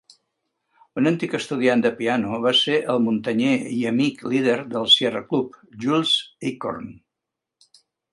Un antic estudiant de piano va ser el muntanyer i amic líder del Sierra Club, Jules Eichorn.